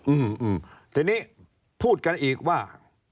อืมทีนี้พูดกันอีกว่า